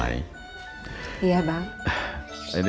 nih sama banget parenthetic